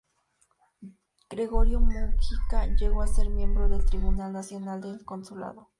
Gregorio Múgica llegó a ser miembro del Tribunal Nacional del Consulado.